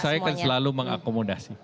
saya kan selalu mengakomodasi